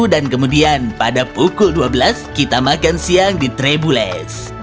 dan kemudian pada pukul dua belas kita makan siang di trebules